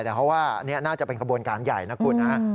เพราะว่าน่าจะเป็นขบวนการใหญ่นะครับ